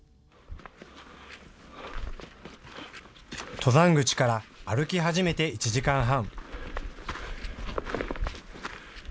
登山口から歩き始めて１時間半。